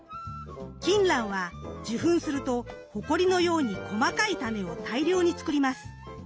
キンランは受粉するとほこりのように細かいタネを大量に作ります。